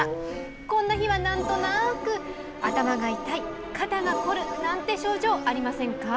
こんな日は、なんとなく頭が痛い、肩がこるなんて症状ありませんか？